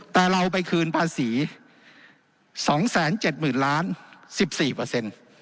แต่เราไปคืนภาษีสองแสนเจ็ดหมื่นล้านสิบสี่เปอร์เซ็นต์